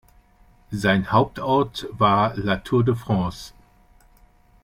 Sein Hauptort war Latour-de-France.